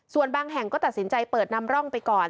ส่วนบางแห่งก็ตัดสินใจเปิดนำร่องไปก่อน